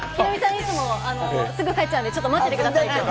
いつも、すぐ帰っちゃうので待っててください。